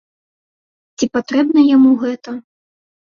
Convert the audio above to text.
Ці патрэбна яму гэта?